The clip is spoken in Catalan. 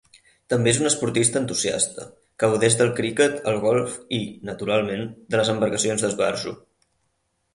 També és un esportista entusiasta, que gaudeix del criquet, el golf i, naturalment, de les embarcacions d'esbarjo.